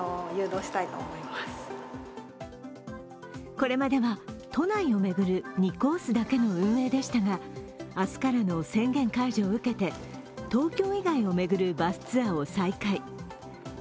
これまでは都内を巡る２コースだけの運営でしたが明日からの宣言解除を受けて、東京以外を巡るバスツアーを再開。